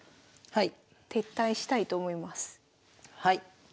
はい。